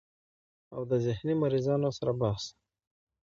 او د ذهني مريضانو سره بحث